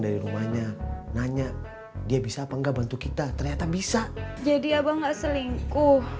dari rumahnya nanya dia bisa apa enggak bantu kita ternyata bisa jadi abang nggak selingkuh